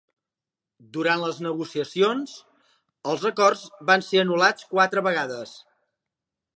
Durant les negociacions, els acords van ser anul·lats quatre vegades.